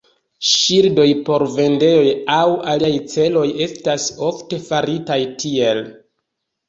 Ŝildoj por vendejoj aŭ aliaj celoj estas ofte faritaj tiel.